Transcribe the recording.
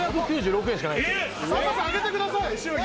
さんまさんあげてください祝儀。